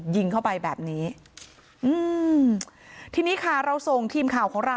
ยิงเข้าไปแบบนี้อืมทีนี้ค่ะเราส่งทีมข่าวของเรา